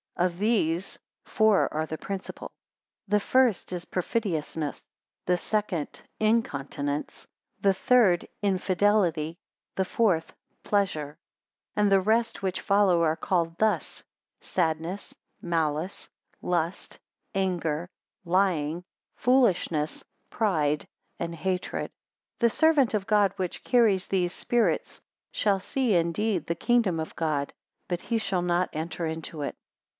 Of these, four are the principal: the first is Perfidiousness; the second, Incontinence; the third, Infidelity; the fourth, Pleasure. 145 And the rest which follow are called thus, Sadness, Malice, Lust, Anger, Lying, Foolishness, Pride, and Hatred. The servant of God, which carries these spirits, shall see indeed the kingdom of God, but he shall not enter into it.